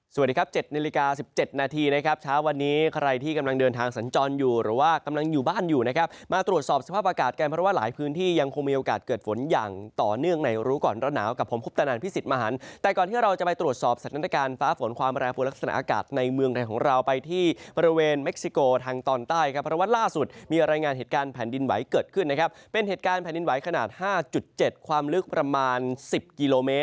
สวัสดีครับเจ็ดนาฬิกา๑๗นาทีนะครับช้าวันนี้ใครที่กำลังเดินทางสัญจรอยู่หรือว่ากำลังอยู่บ้านอยู่นะครับมาตรวจสอบสภาพอากาศกันเพราะว่าหลายพื้นที่ยังคงมีโอกาสเกิดฝนอย่างต่อเนื่องในรู้ก่อนแล้วหนาวกับผมคุบตนอันพิสิทธิ์มหาลแต่ก่อนที่เราจะไปตรวจสอบสักนัดการณ์ฟ้าฝนความแรง